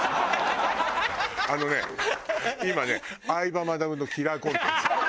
あのね今ね。